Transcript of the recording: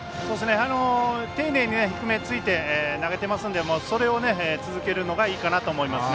丁寧に低めをついて投げていますのでそれを続けるのがいいかなと思いますね。